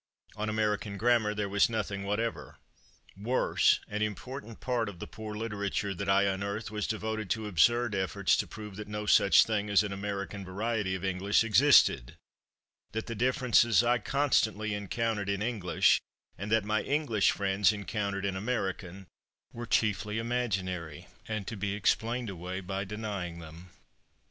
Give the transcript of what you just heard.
On American grammar there was nothing whatever. Worse, an important part of the poor literature that I unearthed was devoted to absurd efforts to prove that no such thing as an American variety of English existed that the differences I constantly encountered in English and that my English friends encountered in American were chiefly imaginary, and to be explained away by denying them.